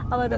apa tuh pak